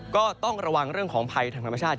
ก็ต้องระวังเรื่องของภัยทางธรรมชาติ